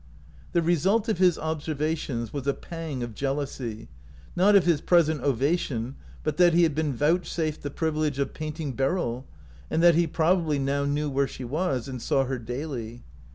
The result of his observations was a pang of jealousy, not of his present ovation, but that he had been vouchsafed the privilege of painting Beryl, and that he probably now knew where she was, and saw her daily.